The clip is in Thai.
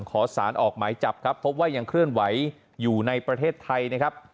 ขอสารออกหมายจับครับพบว่ายังเคลื่อนไหวอยู่ในประเทศไทยนะครับ